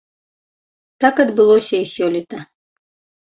Так адбылося і сёлета.